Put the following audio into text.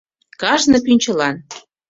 Кажне пӱнчылан.